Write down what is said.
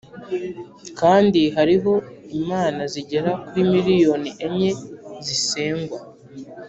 kandi hariho imana zigera kuri miriyoni enye zisengwa.